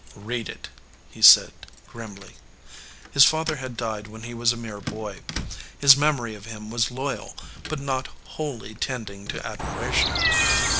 "Read it," he said, grimly. His father had died when he was a mere boy. His memory of him was loyal, but not wholly tending to admiration.